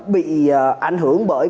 bị ảnh hưởng bởi